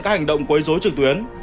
các hành động quấy rối trực tuyến